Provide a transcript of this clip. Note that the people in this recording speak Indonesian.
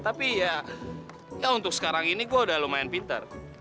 tapi ya ya untuk sekarang ini gua udah lumayan pinter